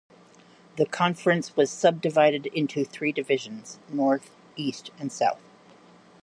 The conference was subdivided into three divisions: North, East and South.